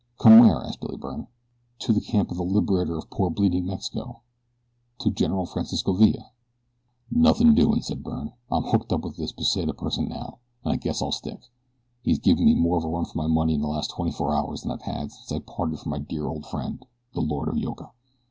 "Come where?" asked Billy Byrne. "To the camp of the liberator of poor, bleeding Mexico to General Francisco Villa." "Nothin' doin'," said Billy. "I'm hooked up with this Pesita person now, an' I guess I'll stick. He's given me more of a run for my money in the last twenty four hours than I've had since I parted from my dear old friend, the Lord of Yoka."